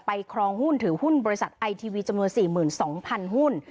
ครองหุ้นถือหุ้นบริษัทไอทีวีจำนวน๔๒๐๐๐หุ้น